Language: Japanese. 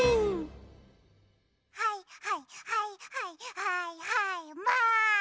はいはいはいはいはいはいマン！